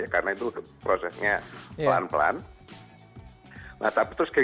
karena itu prosesnya pelan pelan